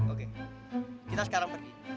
oke kita sekarang pergi